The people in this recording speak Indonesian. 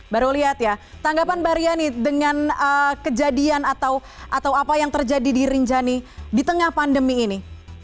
baru lihat ya tanggapan mbak riani dengan kejadian atau apa yang terjadi di rinjani di tengah pandemi ini